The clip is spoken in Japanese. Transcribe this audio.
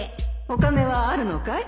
お金はあるのかい？